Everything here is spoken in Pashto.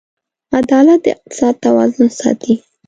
عدالت د اقتصاد توازن ساتي.